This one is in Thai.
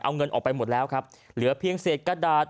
เอาเงินออกไปหมดแล้วครับเหลือเพียงเศษกระดาษ